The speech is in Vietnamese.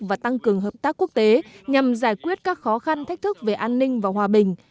và tăng cường hợp tác quốc tế nhằm giải quyết các khó khăn thách thức về an ninh và hòa bình